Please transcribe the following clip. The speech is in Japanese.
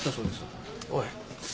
おい。